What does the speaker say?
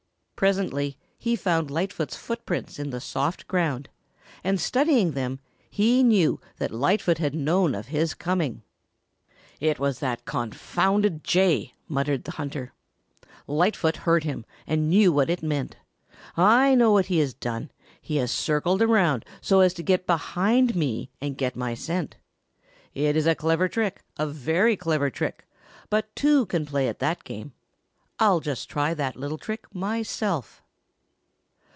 Presently he found Lightfoot's footprints in the soft ground and studying them he knew that Lightfoot had known of his coming. "It was that confounded Jay," muttered the hunter. "Lightfoot heard him and knew what it meant. I know what he has done; he has circled round so as to get behind me and get my scent. It is a clever trick, a very clever trick, but two can play at that game. I'll just try that little trick myself."